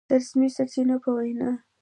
د رسمي سرچينو په وينا